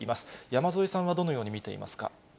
山添さんは、どのように見ていますか。